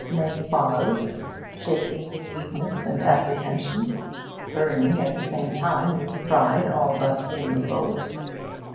May followed, shaking with weakness and apprehension, burning at the same time with pride all but in revolt.